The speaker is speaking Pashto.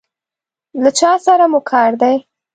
له چا سره مو کار دی؟